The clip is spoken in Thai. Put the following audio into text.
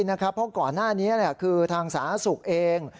เพราะก่อนหน้านี้คือทางสาธารณสุขเอง